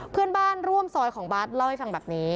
เพื่อนบ้านร่วมซอยของบาร์ดเล่าให้ฟังแบบนี้